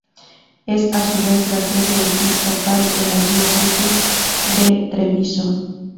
Es a su vez la sede episcopal de la diócesis de Treviso.